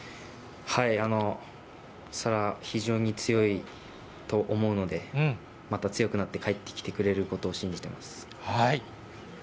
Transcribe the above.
沙羅、非常に強いと思うので、また強くなって帰ってきてくれることを信じてます。